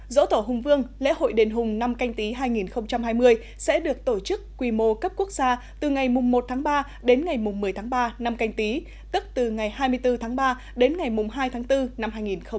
dỗ tổ hùng vương lễ hội đền hùng năm canh tí hai nghìn hai mươi sẽ được tổ chức quy mô cấp quốc gia từ ngày một tháng ba đến ngày một mươi tháng ba năm canh tí tức từ ngày hai mươi bốn tháng ba đến ngày hai tháng bốn năm hai nghìn hai mươi